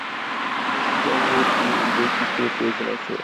সৃষ্টিকার্যে এই বৈচিত্র্যের প্রয়োজন আছে।